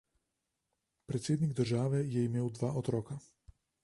Predsednik države je imel dva otroka.